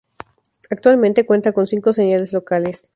Actualmente cuenta con cinco señales locales.